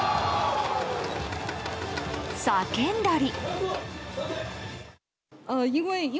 叫んだり。